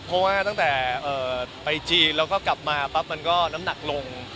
เพราะว่าตั้งแต่ไปจีนแล้วก็กลับมาปั๊บมันก็น้ำหนักลง